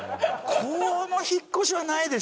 この引っ越しはないでしょ